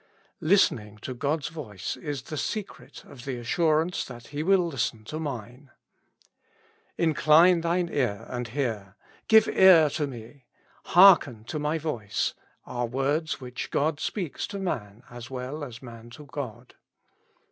Listening to God's voice is the secret of the assurance that He will listen to mine. Incline thine ear, and hear ;"" Give ear to me;" ''Hearken to my voice;" are words which God speaks to man as well as man to God.